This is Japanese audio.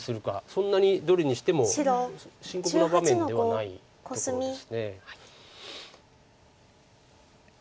そんなにどれにしても深刻な場面ではないところです。